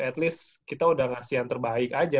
at least kita udah ngasih yang terbaik aja